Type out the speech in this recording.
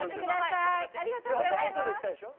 本当はもうちょっといきたいでしょ？